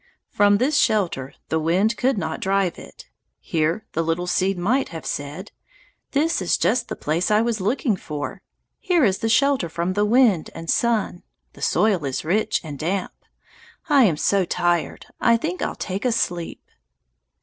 From this shelter the wind could not drive it. Here the little seed might have said, "This is just the place I was looking for; here is shelter from the wind and sun; the soil is rich and damp; I am so tired, I think I'll take a sleep."